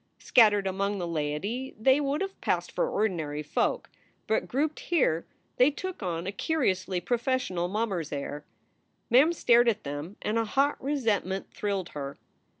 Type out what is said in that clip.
Scattered among the laity, they would have passed for ordinary folk, but, grouped here, they took on a curiously professional mummer s air. Mem stared at them and a hot resentment thrilled her.